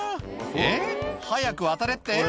「えっ早く渡れって？